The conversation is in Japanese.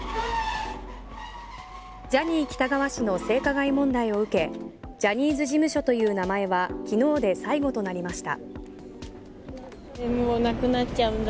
ジャニー喜多川氏の性加害問題を受けジャニーズ事務所という名前は昨日で最後となりました。